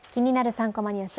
３コマニュース」